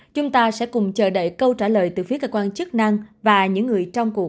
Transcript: chúng ta sẽ cùng chờ đợi câu trả lời từ phía cơ quan chức năng và những người trong cuộc